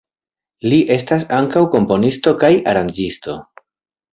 Li estas ankaŭ komponisto kaj aranĝisto.